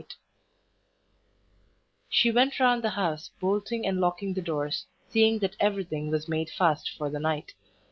XXVIII She went round the house bolting and locking the doors, seeing that everything was made fast for the night.